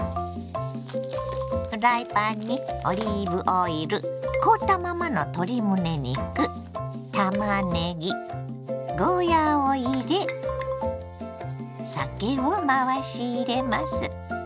フライパンにオリーブオイル凍ったままの鶏むね肉たまねぎゴーヤーを入れ酒を回し入れます。